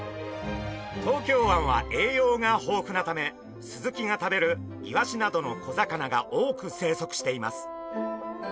東京湾は栄養が豊富なためスズキが食べるイワシなどの小魚が多く生息しています。